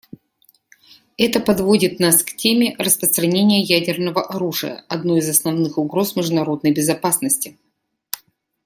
Это подводит нас к теме распространения ядерного оружия, одной из основных угроз международной безопасности.